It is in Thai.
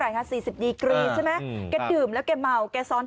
สี่สิบดีกรีใช่ไหมแกดื่มแล้วแกเมาแกซ้อน